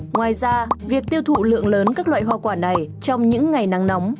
ngoài ra việc tiêu thụ lượng lớn các loại hoa quả này trong những ngày nắng nóng